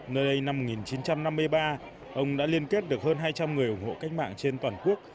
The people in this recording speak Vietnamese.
nơi đây năm một nghìn chín trăm năm mươi ba ông đã liên kết được hơn hai trăm linh người ủng hộ cách mạng trên toàn quốc